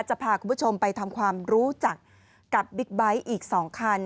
จะพาคุณผู้ชมไปทำความรู้จักกับบิ๊กไบท์อีก๒คัน